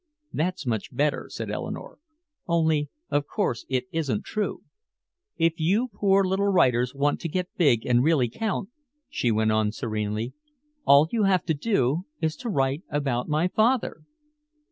"That's much better," said Eleanore. "Only of course it isn't true. If you poor little writers want to get big and really count," she went on serenely, "all you have to do is to write about my father."